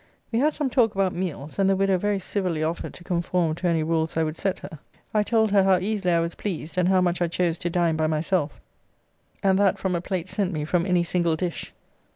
We had some talk about meals, and the widow very civilly offered to conform to any rules I would set her. I told her how easily I was pleased, and how much I chose to dine by myself, and that from a plate sent me from any single dish.